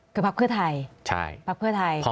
กับภักดิ์เพื่อไทยภักดิ์เพื่อไทยใช่